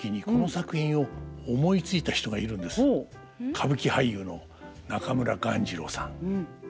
歌舞伎俳優の中村鴈治郎さん。